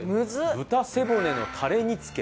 「豚背骨のタレ煮付け」？